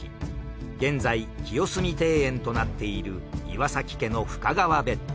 現在清澄庭園となっている岩崎家の深川別邸